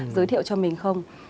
giới thiệu cho mình không